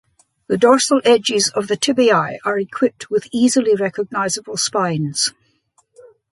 The dorsal edges of the tibiae are equipped with easily recognizable spines.